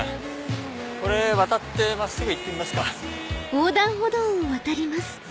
これ渡って真っすぐ行ってみますか。